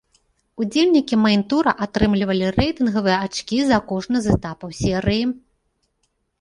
Удзельнікі мэйн-тура атрымлівалі рэйтынгавыя ачкі за кожны з этапаў серыі.